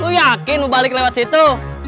lu yakin lu balik lewat situ